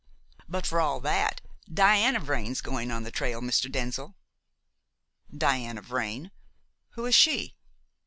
"But for all that, Diana Vrain's going on the trail, Mr. Denzil." "Diana Vrain! Who is she?"